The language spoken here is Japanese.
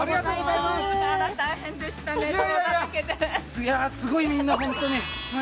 すごいみんな、本当に。